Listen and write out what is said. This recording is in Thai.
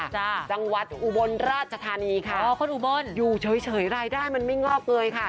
จังหวัดอุบลราชธานีค่ะอยู่เฉยรายได้มันไม่งอกเลยค่ะ